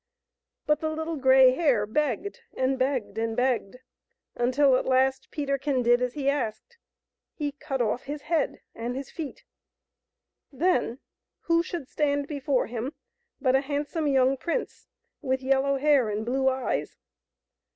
But the Little Grey Hare begged and begged and begged, until at last Peterkin did as he asked; he cut off his head and his feet. Then who should stand before him but a handsome young prince, with yellow hair and blue eyes.